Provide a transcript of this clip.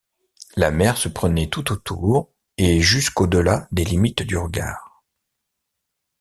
La mer se prenait tout autour et jusqu’au-delà des limites du regard.